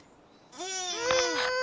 うん。